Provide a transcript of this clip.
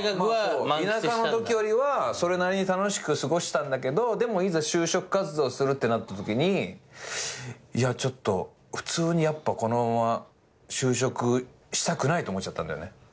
田舎のときよりはそれなりに楽しく過ごしてたんだけどでもいざ就職活動するってなったときにいやちょっと普通にやっぱこのまま就職したくないと思っちゃったんだよね。